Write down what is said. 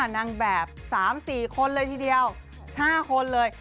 นางแบบ๓๔คนเลยทีเดียว๕คนเลย